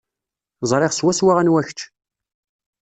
Ẓriɣ swaswa anwa kečč.